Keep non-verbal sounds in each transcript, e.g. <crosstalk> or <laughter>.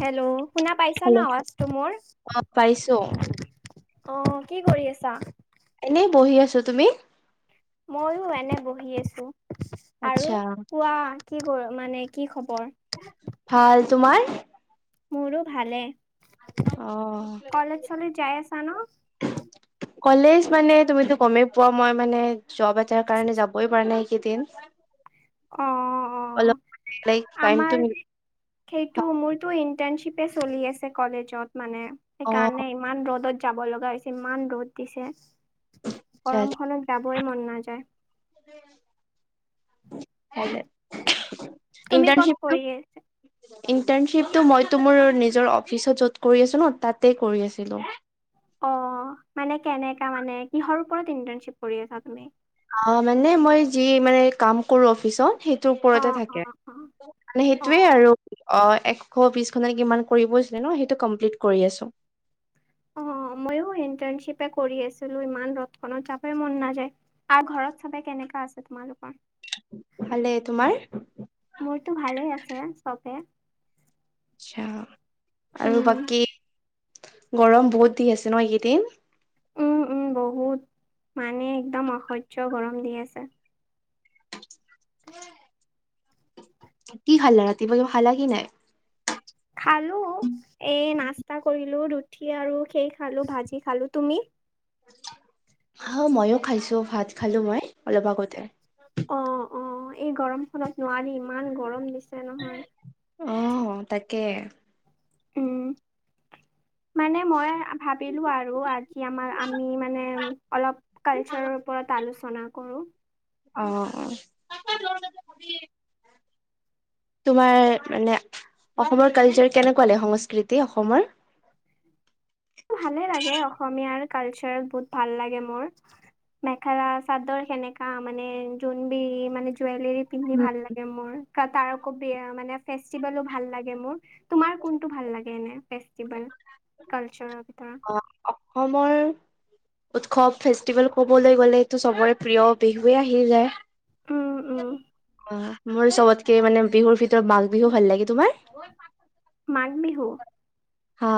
Hello শুনা পাইছা না হেল্ল' আৱাজটো মোৰ অ পাইছো অ কি কৰি আছা এনেই বহি আছো তুমি ময়ো এনে বহি আছো আৰু আচ্ছা কোৱা কি কৰ মানে কি খবৰ ভাল তোমাৰ মোৰো ভালে অ কলেজ চলেজ যাই আছা ন কলেজ মানে তুমিতো গমেই পোৱা মই মানে চব এটাৰ কাৰণে যাবই পাৰাই নাই এইকেইদিন অ অ অলপ লাইক টাইমটো আমাৰ সেইটো মোৰতো ইন্টাৰণশ্বিপে চলি আছে কলেজত মানে অ সেইকাৰণে ইমান ৰ'দত যাব লগা হৈছে ইমান ৰ'দ দিছে গৰমখনত যাবই মন নাযায় হেলে তুমি ক'ত কৰি ইণ্টাৰনশিপটো আছা ইণ্টাৰণশ্বিপটো মই তোমাৰ মোৰ নিজৰ অফিচত য'ত কৰি আছো ন তাতে কৰি আছিলো অ মানে কেনেকা মানে কিহৰ ওপৰত ইণ্টাৰ্নশ্বিপ কৰি আছা তুমি অ মানে মই যি মানে কাম কৰো অফিচত সেইটোৰ অ ওপৰতে অ থাকে মানে অ সেইটোৱেই অ আৰু অ এশ বিশ খত কিমান কৰিব হৈছিলে ন সেইটো কমপ্লিট কৰি আছো অ মইও ইন্টাৰ্ণশ্বিপে কৰি আছিলো ইমান ৰদখনত যাবই মন নাযায়। আৰু ঘৰত চবে কেনেকা আছে তোমালোকৰ ভালে তোমাৰ মোৰতো ভালে আছে চবে আচ্ছা আৰু উম। বাকী গৰম বহুত দি আছে ন এইকেইদিন উম উম বহুত মানে একদম অসহ্য গৰম দি আছে কি খালে ৰাতিপুৱা কিবা খালা কি নাই খালো এ নাস্তা কৰিলো ৰুঠি আৰু খেই খালো ভাজি খালো তুমি হা ময়ো খাইছোঁ ভাত খালোঁ মই অলপ আগতে অ অ এই গৰম খনত নোৱাৰি ইমান গৰম দিছে নহয় অ তাকে উম মানে মই ভাবিলো আৰু আজি আমাৰ আমি মানে অলপ কালচাৰৰ ওপৰত আলোচনা কৰো অ অ আ অহ কি তোমাৰ মানে অসমৰ কালচাৰ কেনেকুৱা লাগে সংস্কৃতি অসমৰ ভালে লাগে অসমীয়াৰ কালচাৰ বহুত ভাল লাগে মোৰ মেখেলা চাদৰ সেনেকা মানে যোনবিৰি মানে জুৱেলাৰী পিন্ধি ভাল লাগে মোৰ তাৰ আকৌ মানে ফেষ্টিভেলো ভাল লাগে মোৰ তোমাৰ কোনটো ভাল লাগে এনে ফেষ্টিভেল উ <unintelligible> কালচাৰ এটা অ অসমৰ উৎসৱ ফেষ্টিভেল ক'বলৈ গ'লেটো সবৰে প্ৰিয় বিহুৱে আহি যায় উম উম অ মোৰ চবতকে মানে বিহুৰ ভিতৰত মাঘ বিহু ভাল লাগে তোমাৰ মাঘ বিহু হা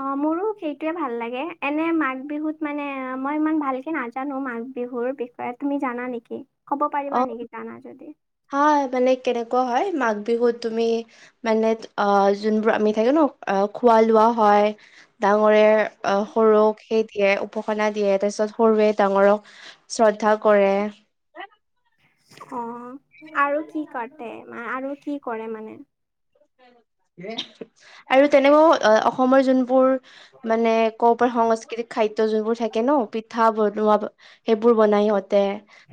অ মোৰো সেইটোৱে ভাল লাগে এনে মাঘ বিহুত মানে মই ইমান ভালকে নাজানো মাঘ বিহুৰ বিষয়ে তুমি জানা নেকি ক'ব অ পাৰিবা নেকি জানা যদি হয় মানে কেনেকুৱা হয় মাঘ বিহুত তুমি মানে অ যোনবোৰ আমি থাকে ন খোৱা লোৱা হয় ডাঙৰে অ সৰুক সেইতিয়ে উপাসনা দিয়ে তাৰ পিছত সৰুৱে ডাঙৰক শ্ৰদ্ধা কৰে অ আৰু কি পাটে মা আৰু কি কৰে মানে হয় আৰু তেনেকুৱা অসমৰ যোনবোৰ মানে ক'ব পৰা সংস্কৃতিক খাদ্য যোনবোৰ থাকে ন পিঠা বনোৱা সেইবোৰ বনাই সিহঁতে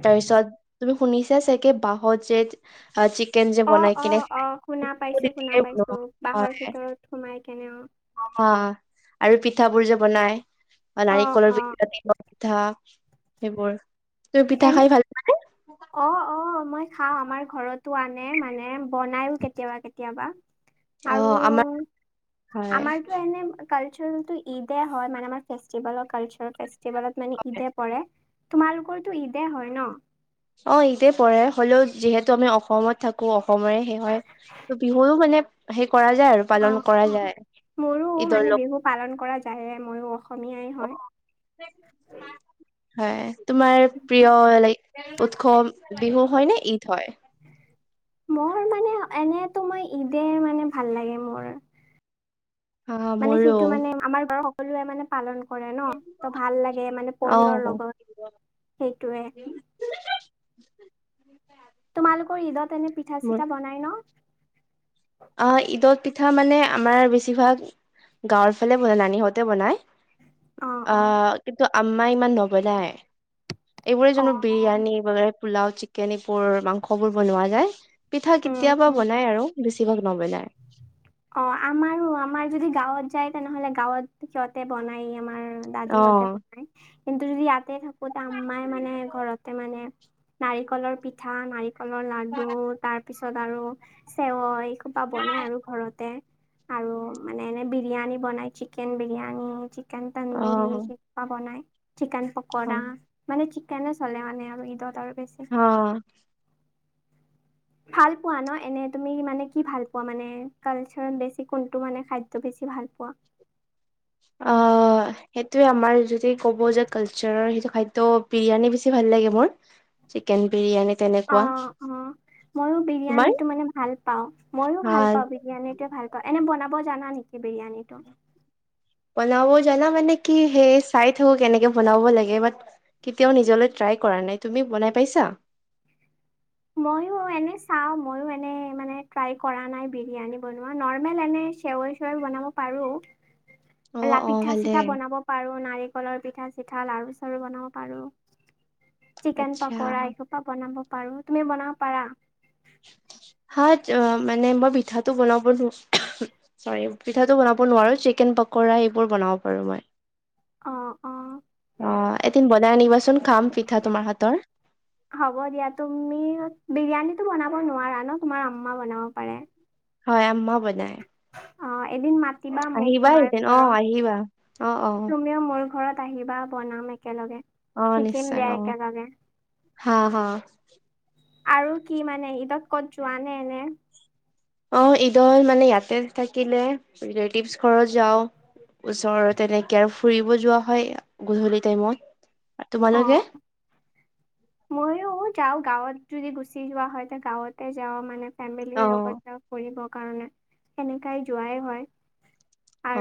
তাৰপিছত তুমি শুনিছাই চাগে বাহত যে চিকেন যে অ বনাই কিনে বনোৱা তো বাঁহৰ ভিতৰত সোমাই কেনেও অ আৰু পিঠা বোৰ যে বনাই অ নাৰিকলৰ পিঠা তিলৰ পিঠা সেইবোৰ তুমি পিঠা এনে খাই ভাল অ অ মই খাও আমাৰ ঘৰতো আনে মানে বনাইয়ো কেতিয়াবা কেতিয়াবা অ আৰু আমাৰ হয় আমাৰতো এনে কালচাৰটো ঈদে হয় মানে আমাৰ ফেষ্টিভেলৰ কালচাৰ ফেষ্টিভেলত মানে ঈদে পৰে তোমালোকৰটো ঈদে হয় ন অ ঈদে পৰে হলেও যিহেতু আমি অসমত থাকো অসমৰে সেই হয় তো বিহুৰো মানে সেই কৰা যায় আৰু অ পালন কৰা অহ যায় মোৰো ঈদৰ মানে লগ বিহু পালন কৰা যায় ময়ো অসমীয়াই হয় অহ হয় তোমাৰ প্ৰিয় লাইক উৎসৱ বিহু হয় নে ঈদ হয় মোৰ মানে এনেতো মই ঈদে মানে ভাল লাগে মোৰ অ মানে মোৰো সেইটো মানে আমাৰ বাৰু সকলোৱে মানে পালন কৰে ন ত ভাল লাগে মানে অ পৰিয়ালৰ লগত সেইটোৱে তোমালোকৰ ঈদত এনে পিঠা মোৰ চিঠা বনাই ন অ ঈদত পিঠা মানে আমাৰ বেছিভাগ গাঁৱৰ ফালে বনাই নানীহঁতে বনায় অ অ অ কিন্তু আম্মাই ইমান নবনায় এইবোৰে অ যোনবোৰ বিৰিয়ানী বলে পোলাও চিকেন এইবোৰ মাংস বোৰ বনোৱা যায় পিঠা উম কেতিয়াবা উম বনাই আৰু সেই বিলাক নবোনাই অ আমাৰো আমাৰ যদি গাঁৱত যায় তেনেহ'লে গাঁৱত সিহতে বনাই আমাৰ অ দাদিহঁতে বনায় কিন্তু যদি ইয়াতে থাকো আম্মাই মানে ঘৰতে মানে নাৰিকলৰ পিঠা নাৰিকলৰ নাৰিকলৰ লাডু তাৰ পিছত আৰু চেৱই এই সোপা বনাই আৰু ঘৰত আৰু মানে এনে বিৰিয়ানী বনাই চিকেন বিৰিয়ানী চিকেন অ তন্দুৰী সেইবোৰ বনাই চিকেন অ পকৰা মানে চিকেনে চলে মানে আৰু ঈদত আৰু বেছি অ ভাল পোৱা ন এনে তুমি মানে কি ভাল পোৱা মানে কালচাৰত বেছি কোনটো মানে খাদ্য বেছি ভাল পোৱা অ সেইটোৱে আমাৰ যদি ক'ব যে কালচাৰৰ সেইটো খাদ্য বিৰিয়ানী বেছি ভাল লাগে মোৰ চিকেন বিৰিয়ানী অ তেনেকুৱা অ ময়ো তোমাৰ বিৰিয়ানীটো মানে ভাল পাও মইও ভাল পাও বিৰিয়ানীটোয়ে ভাল অ এনে বনাব জানা নেকি বিৰিয়ানীটো বনাব জানা মানে কি সেই চাই থাকো কেনেকে বনাব লাগে বাত কেতিয়াও নিজলৈ ট্ৰাই কৰা নাই তুমি বনাই পাইছা মইয়ো এনে চাও মইয়ো এনে মানে ট্ৰাই কৰা নাই বিৰিয়ানী বনোৱা নৰ্মেল এনে চেৱই বনাব পাৰো অ ৰা অ পিঠা ভালে চিঠা বনাব পাৰো নাৰিকলৰ পিঠা চিঠা লাৰু চাৰু বনাব পাৰো চিকেন আচ্ছা পকৰা এসোপা বনাব পাৰো তুমি বনাব পাৰা হয় তো মানে মই পিঠাটো বনাব নোৱাৰো চৰি পিঠাটো বনাব নোৱাৰো চিকেন পকৰা এইবোৰ বনাব পাৰো মই অ অ অ এদিন বনাই আনিবা চোন খাম পিঠা তোমাৰ হাতৰ হ'ব দিয়া তুমি বিৰিয়ানীত বনাব নোৱাৰা ন তোমাৰ আম্মা বনাব পাৰে হয় আম্মা বনায় অ এদিন মাতিবা মোক তোমাৰ এদিন অ আহিবা অ অ ঘৰত তুমিও মোৰ ঘৰত আহিবা বনাম একেলগে অ শিকিম নিশ্চয় দিয়া অ একেলগে হা হা আৰু কি মানে ঈদত ক'ত যোৱা নে এনে অ ঈদৰ মানে ইয়াতে থাকিলে ৰিলেটিভছ ঘৰত যাও ওচৰত তেনেকে আৰু ফুৰিব যোৱা হয় গধূলি টাইমত আৰু তোমালোকে মইয়ো যাও গাঁৱত যদি গুচি যোৱা হয় তে গাঁৱতে যাও মানে ফেমিলিৰ অ লগত যাও ফুৰিবৰ কাৰণে সেনেকাই যোৱাই হয়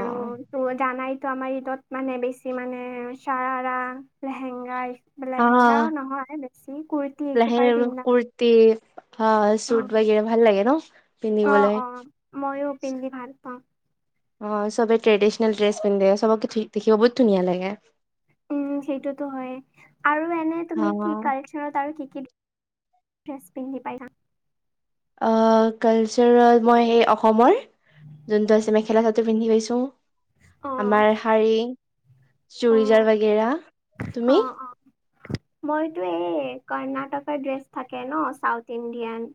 অ ত জানাইতো আমাৰ ঈদত মানে বেছি মানে চাৰাৰা লেহেংগা লেহেংগাও নহয় বেছি কুুৰ লেহেং কুুৰ্তি অ অ চুট বাগেৰে ভাল লাগে ন অ পিন্ধিবলৈ অ মইয়ো পিন্ধি ভাল পাও অ চবে ট্ৰেডিচনেল ড্ৰেছ পিন্ধে চবক দেখিব বহুত ধুনীয়া লাগে উম সেইটোতো হয় আৰু এনে তুমি কি অ', কাল চাৰত আৰু কি কি ড্ৰেছ পিন্ধি পাইছা অ কালচাৰলত মই সেই অসমৰ যোনটো আছে মেখেলা চাদৰ পিন্ধি পাইছো অ', আমাৰ শাৰী অ', চুৰিজাৰ বাগেৰা তুমি অ', অ'। মইতো এই কৰ্ণাটকৰ ড্ৰেছ থাকে ন চাউথ ইণ্ডিয়ান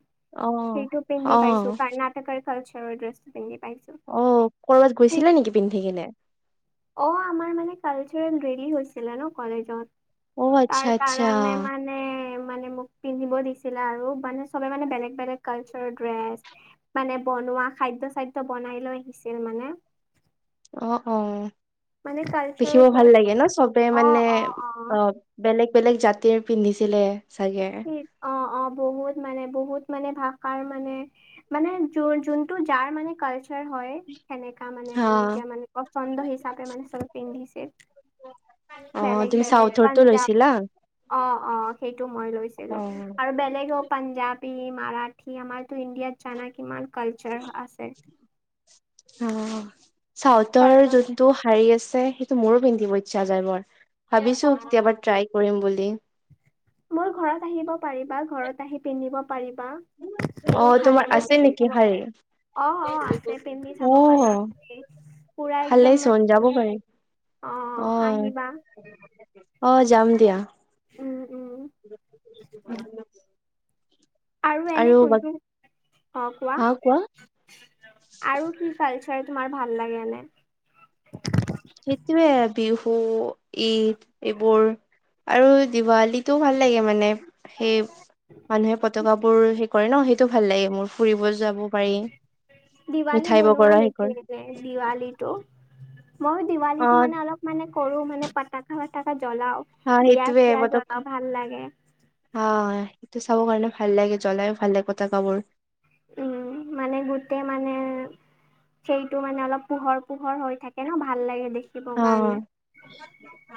অ', সেইটো পিন্ধি পাইছো অ', কৰ্ণাটকৰ কালচাৰ ড্ৰেছটো পিন্ধি পাইছো অ কৰ'বাত সেই গৈছিলে নেকি পিন্ধি কিনে অ আমাৰ মানে কালচাৰেল ৰেলী হৈছিলে ন অ', কলেজত আচ্ছা আচ্ছা তাৰকাৰণে মানে মানে মানে মোক পিন্ধিব দিছিলে আৰু মানে চবে মানে বেলেগ বেলেগ কালচাৰৰ ড্ৰেছ মানে বনোৱা খাদ্য চাদ্য বনাই লৈ আহিছিল মানে অ অ মানে কালচাৰৰ দেখিব ভাল ওপৰত লাগে ন চবে অ মানে অ অ বেলেগ বেলেগ জাতিয়ে পিন্ধিছিলে চাগে সেই অ অ বহুত মানে বহুত মানে ভাষাৰ মানে। মানে য যোনটো যাৰ মানে কালচাৰ। হয় সেনেকা মানে হা। নিজে মানে পচন্দ হিচাপে মানে চব পিন্ধিছে। অ', বেলেগ তুমি বেলেগ চাউথৰটো পাঞ্জাৱ। লৈছিলা? অ অ সেইটো মই লৈছিলো অ'। আৰু বেলেগক। পাঞ্জাবী মাৰাঠী আমাৰতো ইণ্ডিয়াত জানা কিমান কালচাৰ আছে। অ চাওতৰ কালচাৰ যদি। টো শাৰী আছে সেইটো মোৰো পিন্ধিব ইচ্ছা যায় বৰ মই অ ভাবিছো কেতিয়াবা ট্ৰাই কৰিম বুলি। মোৰ ঘৰত আহিব পাৰিবা ঘৰত আহি পিন্ধিব পাৰিবা। মোৰ অ', তোমাৰ শাৰীটোৱে আছে পিন্ধি নেকি চাব শাৰী? পাৰে। অ অ আছে পিন্ধি চাব পাৰিবা অ', পুৰা একদম ভালেইচোন যাব মানে। পাৰি। অ আহিবা এই। অঁ যাম দিয়া। উম উম আৰু এনে কোনটো অ কোৱা। আৰু কি কালচাৰ তোমাৰ ভাল লাগে এনে। সেইটোৱে বিহু ঈদ এইবোৰ। আৰু দিৱালীটোও ভাল লাগে মানে সেই মানুহে পতকা। বোৰ হেৰি কৰে ন সেইটো ভাল লাগে মোৰ ফুৰিব যাব পাৰি। দিৱালী মিঠাই বনোৱা বগৰা সেই নেকি কৰে যে দিৱালীটো। মই দিৱালীটো অ', মানে অলপ মানে কৰো মানে পতাকা ফতাকা জ্বলাও। হা দিয়া সেইটোৱে চিয়া জ্বলাও ভাল লাগে। আহ সেইটো চাব কাৰণে ভাল লাগে জ্বলাইও ভাল লাগে পতকাবোৰ। উম মানে গোটেই মানে। সেইটো মানে অলপ পোহৰ পোহৰ হৈ থাকে ন ভাল লাগে দেখি। অ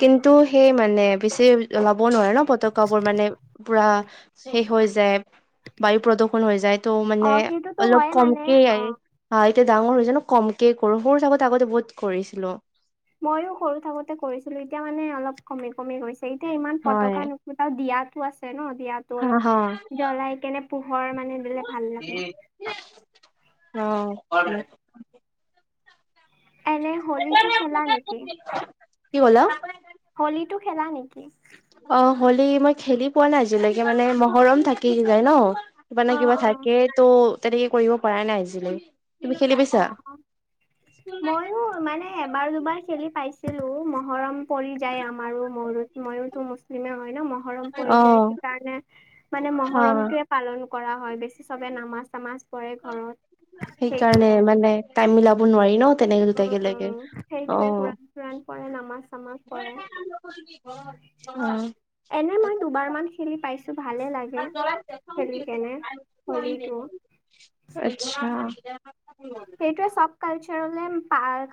কিন্তু সেই মানে বেছি। জ্বলাব নোৱাৰে ন পতকা বোৰ মানে পুৰা শেষ হৈ যায়। বায়ু প্ৰদূ্ষন হৈ যায় তো অ মানে সেইটোতো অলপ হয় মানে কমকে। অ হা এতিয়া ডাঙৰ হৈছো ন কমকে কৰো সৰু থাকোঁতে আগতে বহুত কৰিছিলো। মইও সৰু থাকোতে কৰিছিলো এতিয়া মানে অলপ কমি কমি গৈছে এতিয়া ইমান হয় পতকা ন তাও দিয়াতো আছে ন দিয়াতো হা হা অলপ জ্বলাই কেনে পোহৰ মানে দিলে। ভাল লাগে অ। এনে হলী টো খেলা নেকি। কি ক'লা। হলীটো খেলা নেকি। অ হলি মই খেলি পোৱা নাই আজিলৈকে মানে মহৰম থাকি যায় ন। মানে অ কিবা অ থাকে তো' তেনেকে কৰিব পৰা নাই আজিলৈ। তুমি খেলি অ পাইছা ময়ো মানে। এ এবাৰ দুবাৰ খেলি পাইছিলো মহৰম পৰি যায় আমাৰো মত ময়োতো মুছলিমে হয় ন মহ। মহৰম পৰি যায় অ', সেইকাৰণে মানে হা। মহৰমটোৱে। পালন কৰা হয় বেছি চবে নামাজ চামাজ পৰে ঘৰত। সেইকাৰণে সেইটোৱে মানে টাইম মিলাব নোৱাৰি ন। উম, তেনেকে লে উম, অ। সেইটোৱে কোৰাণ চোৰাণ পঢ়ে নামাজ চামাজ পঢ়ে। অহ অহ। এনে মই দুবাৰ মান খেলি পাইছো ভালে লাগে। গে খেলি কেনে হলীটো। আচ্ছা। সেইটোৱে চব কালচাৰলে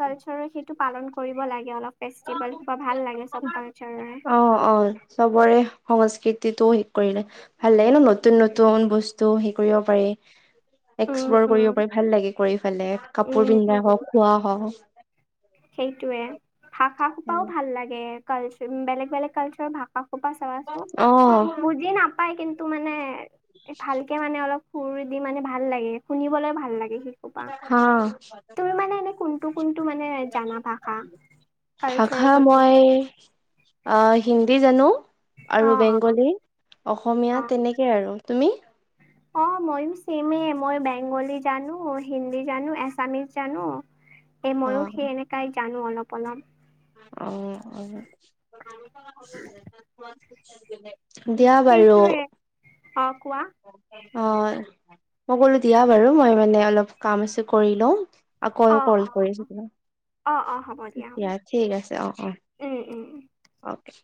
কালচাৰ সেইটো পালন কৰিব লাগে অলপ। ফেষ্টিভেল বা ভাল লাগে চব কালচাৰৰে। অ', অ', চবৰে সংস্কৃতিটোও শেষ কৰিলে। ভাল ন' নতুন নতুন বস্তু হেৰি কৰিব পাৰি। উম, এক্সপ্লোৰ উম, কৰিব পাৰি, ভাল লাগে কৰি ফালে, উম, কাপোৰ পিন্ধা হওঁক, খোৱা হওঁক। সেইটোয়ে। ভাষা খোপাও ভাল লাগে। কালচা বেলেগ বেলেগ কালচাৰৰ ভাষা খোপা চাবাচোন, অ'। বুজি নাপাই কিন্তু মানে ভালকে মানে অলপ সুৰ দি মানে ভাল লাগে, শুনিবলৈ ভাল লাগে। সোপা। অ'। ফোনটো মানে জানা ভাষা কালচাৰৰ ভাষা কোনটো মই আ, হিন্দী জানো অ আৰু অ বেংগলী, অসমীয়া, অ তেনেকে আৰু। তুমি? অ' মইও ছেমে, মই বেংগলী জানো, হিন্দী জানো, আছামিচ জানো এ, মইও অ', সেই এনেকাই, জানো অলপ অলপ। অ', অ' দিয়া। বাৰু সেইটোৱে, অ' কোৱা। অ' মই ক'লো দিয়া বাৰু। মই মানে অলপ কাম আছে, কৰি লওঁ। আকৌ অ কল অ কৰি আছোঁ তোমাক। অ অ হ'ব হ'ব দিয়া ঠিক আছে, অ', অ'। উম, উম, উ। অকে।